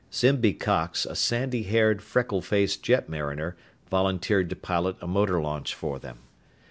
Zimby Cox, a sandy haired, freckle faced jetmariner, volunteered to pilot a motor launch for them.